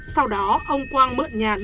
sau đó ông quang mới nói rằng